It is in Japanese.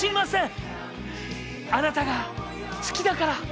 あなたが好きだから！